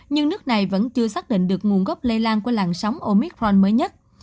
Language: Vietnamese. nhưng nước này vẫn chưa xác định được nguồn gốc lây lan của làn sóng omitron mới nhất